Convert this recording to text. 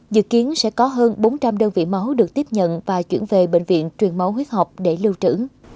dự kiến sẽ có hơn bốn trăm linh đơn vị máu được tiếp nhận và chuyển về bệnh viện truyền máu huyết học để lưu trữ